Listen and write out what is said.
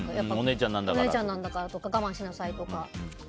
お姉ちゃんなんだからとか我慢しなさいとか。